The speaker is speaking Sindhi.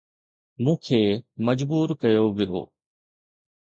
مون کي مجبور ڪيو ويو